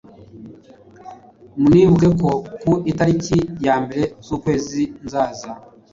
Munibuke ko ku itariki yambere z’ukwezi nzaza